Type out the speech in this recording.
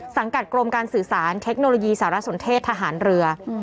กรมการสื่อสารเทคโนโลยีสารสนเทศทหารเรือ